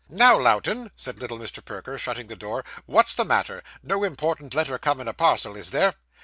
'Now, Lowten,' said little Mr. Perker, shutting the door, 'what's the matter? No important letter come in a parcel, is there?